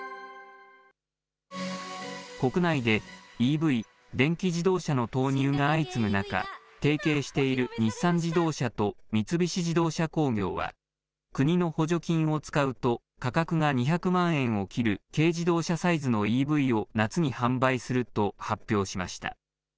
国内でＥＶ・電気自動車の投入が相次ぐ中、提携している日産自動車と三菱自動車工業は、国の補助金を使うと価格が２００万円を切る軽自動車サイズのＥＶを夏に販売すると発表しました。